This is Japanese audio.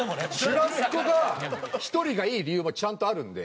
シュラスコが１人がいい理由もちゃんとあるんで。